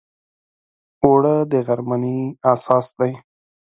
اوړه د غرمنۍ اساس دی